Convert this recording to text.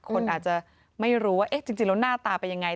คนอาจจะไม่รู้ว่าจริงแล้วหน้าตาเป็นยังไง